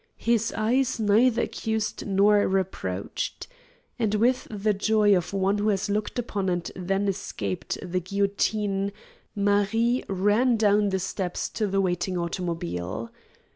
His eyes neither accused nor reproached. And with the joy of one who has looked upon and then escaped the guillotine, Marie ran down the steps to the waiting automobile.